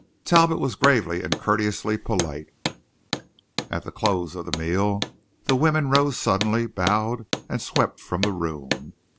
Talbot was gravely and courteously polite. At the close of the meal the women rose suddenly, bowed, and swept from the room.